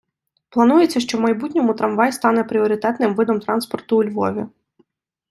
Планується, що в майбутньому трамвай стане пріоритетним видом транспорту у Львові.